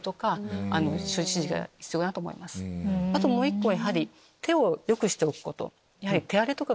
あともう１個は。